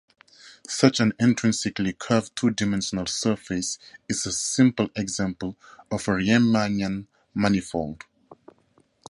Such an intrinsically curved two-dimensional surface is a simple example of a Riemannian manifold.